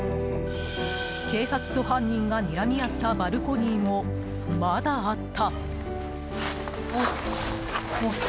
警察と犯人がにらみ合ったバルコニーもまだあった。